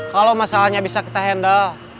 kalau masalahnya bisa kita handle